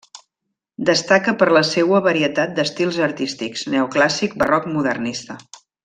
Destaca per la seua varietat d'estils artístics: neoclàssic, barroc, modernista.